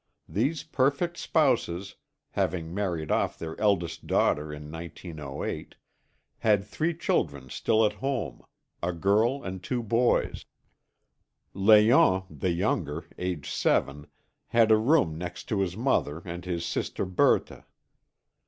These perfect spouses, having married off their eldest daughter in 1908, had three children still at home a girl and two boys. Léon, the younger, aged seven, had a room next to his mother and his sister Berthe.